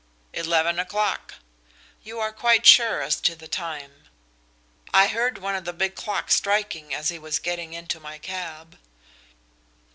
"Eleven o'clock." "You are quite sure as to the time?" "I heard one of the big clocks striking as he was getting into my cab."